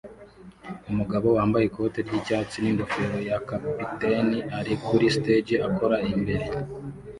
Umugabo wambaye ikoti ryicyatsi ningofero ya capitaine ari kuri stage akora imbere